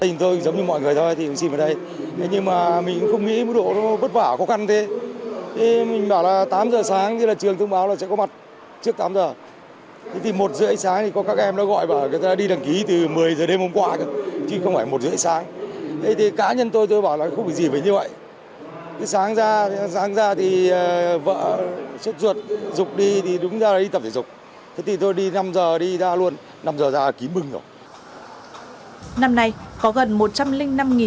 năm nay có gần một trăm linh năm thí sinh đăng ký dự thi lớp một mươi trung học phổ thông hà nội